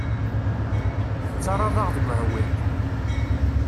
Tettarraḍ-aɣ deg uɛewwiq.